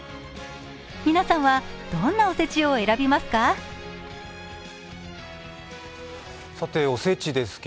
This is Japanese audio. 皆さんは、どんなおせちを選びますか。